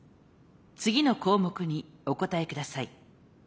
次の項目にお答えください。